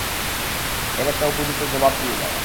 এর একটা উপযুক্ত জবাব দিয়ে যাও।